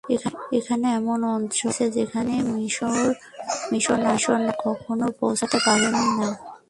ওখানে এমন অঞ্চল আছে যেখানে মিশনরীরা কখনও পৌঁছিতে পারেন না।